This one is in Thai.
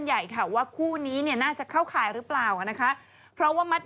ไม่รู้เลยไม่ยากเลยไม่ยากเลย